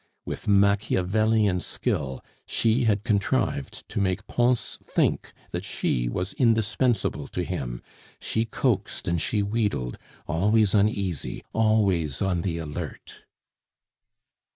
With Machiavelian skill, she had contrived to make Pons think that she was indispensable to him; she coaxed and she wheedled, always uneasy, always on the alert.